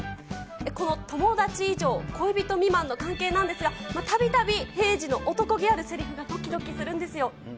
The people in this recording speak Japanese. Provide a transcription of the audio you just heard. この友達以上恋人未満の関係なんですが、たびたび平次の男気あるせりふがどきどきするんですよ。